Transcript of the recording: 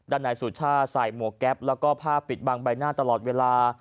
ด้านนายสุช่าใส่หมวกแก๊ปและผ้าปิดบางใบหน้าตลอดเวลา